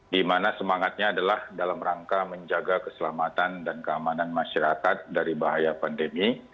di mana semangatnya adalah dalam rangka menjaga keselamatan dan keamanan masyarakat dari bahaya pandemi